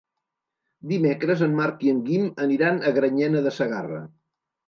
Dimecres en Marc i en Guim aniran a Granyena de Segarra.